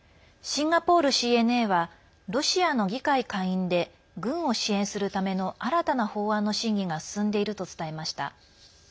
シンガポールＣＮＡはロシアの議会下院で軍を支援するための新たな法案の審議が進んでいると伝えました。